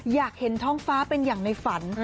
อยากเห็นท้องฟ้าเป็นอย่างในฝัน